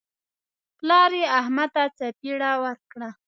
پلار یې احمد ته څپېړه ورکړه.